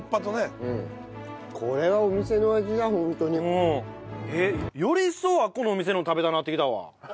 これはお店の味だホントに。よりいっそうあそこのお店の食べたなってきたわ。